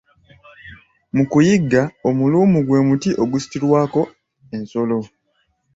Mu kuyigga, Omuluumu gwe muti ogusitulirwako ensolo.